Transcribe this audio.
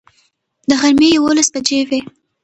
د غرمې یوولس بجې وې.